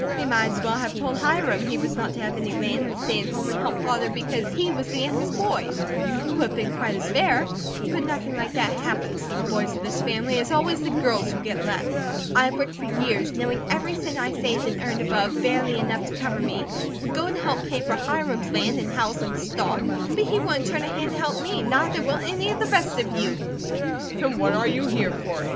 They might as well have told Hiram he was not to have any land and stay at home and help Father because he was the youngest boy; it would have been quite as fair; but nothing like that happens to the boys of this family, it is always the girls who get left. I have worked for years, knowing every cent I saved and earned above barely enough to cover me, would go to help pay for Hiram's land and house and stock; but he wouldn't turn a hand to help me, neither will any of the rest of you." "Then what are you here for?"